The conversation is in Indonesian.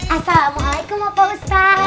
assalamualaikum pak ustadz